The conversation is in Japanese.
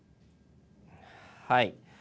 はい。